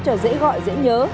cho dễ gọi dễ nhớ